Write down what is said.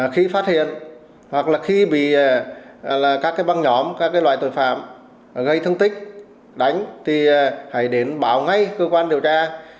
khi phát hiện hoặc là khi bị các băng nhóm các loại tội phạm gây thương tích đánh thì hãy đến báo ngay cơ quan điều tra